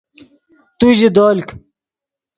تو ژے دولک